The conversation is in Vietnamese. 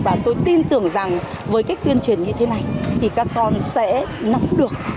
và tôi tin tưởng rằng với cách tuyên truyền như thế này thì các con sẽ nắm được